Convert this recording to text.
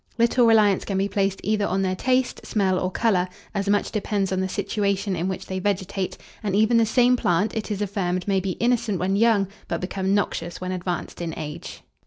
Little reliance can be placed either on their taste, smell, or colour, as much depends on the situation in which they vegetate; and even the same plant, it is affirmed, may be innocent when young, but become noxious when advanced in age.